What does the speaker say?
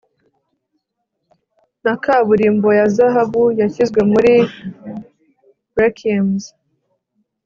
na kaburimbo ya zahabu yashyizwe muri requiems